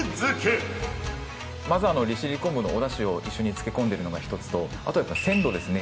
まず利尻昆布のおだしを一緒に漬け込んでいるのがひとつとあとはやっぱり鮮度ですね。